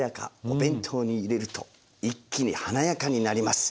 お弁当に入れると一気に華やかになります。